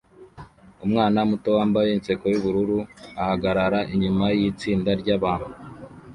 Umwana muto wambaye inseko yubururu ahagarara inyuma yitsinda ryabantu